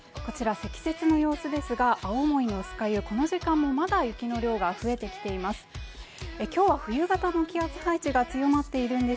積雪の様子ですが青森の酸ヶ湯、この時間もまだ雪の量が増えてきています。